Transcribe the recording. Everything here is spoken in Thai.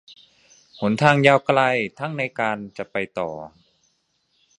หนทางยาวไกล ทั้งในการจะไปต่อ